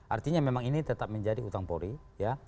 artinya memang ini tetap menjadi utang polri ya